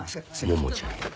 桃ちゃんや。